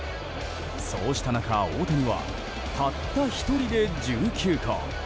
そうした中、大谷はたった１人で１９個。